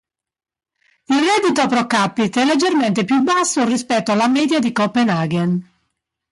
Il reddito pro capite è leggermente più basso rispetto alla media di Copenaghen.